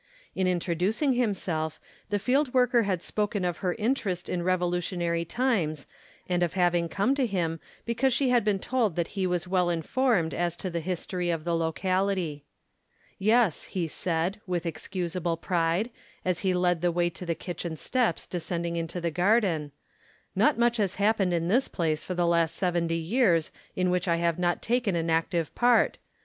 In introduc ing herself, the field worker had spoken of her interest in Revolutionary times and of having come to him be cause she had been told that he was well informed as to the history of the locality. "Yes," he said, with excusable pride, as he led the way to the kitchen steps descending into the garden, "not much has happened in this place for the last seventy years in which I have not taken an active part.